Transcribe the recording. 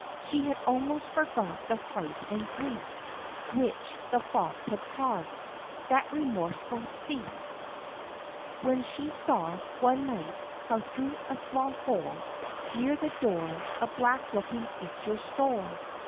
She had almost forgot the fright and grief Which the fox had caused — that remorseless thief— OF CHANTICLEER. 19 When she saw, one night, how, through a small hole Near the door, a black looking creature stole.